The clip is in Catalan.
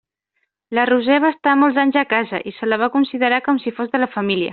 La Roser va estar molts anys a casa, i se la va considerar com si fos de la família.